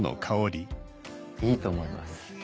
いいと思います。